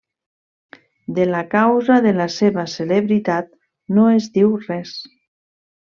De la causa de la seva celebritat no es diu res.